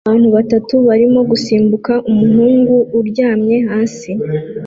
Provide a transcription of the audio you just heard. Abantu batatu barimo gusimbuka umuhungu uryamye hasi